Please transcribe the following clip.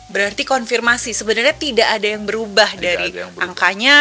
berarti konfirmasi sebenarnya tidak ada yang berubah dari angkanya